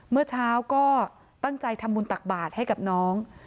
เมื่อเช้าก็ตั้งใจทำบุญตักบาทให้กับน้อง